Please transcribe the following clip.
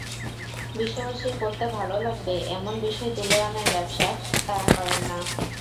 বিশ্ববাসীর পড়তে ভালো লাগবে—এমন বিষয় তুলে আনার ব্যবসা তাঁরা করেন না।